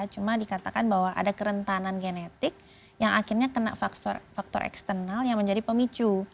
cuma dikatakan bahwa ada kerentanan genetik yang akhirnya kena faktor eksternal yang menjadi pemicu